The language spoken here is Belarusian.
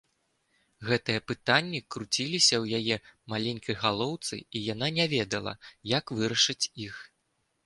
Гэтыя пытанні круціліся ў яе маленькай галоўцы, і яна не ведала, як вырашыць іх.